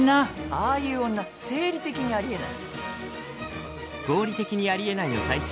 ああいう女生理的にありえない。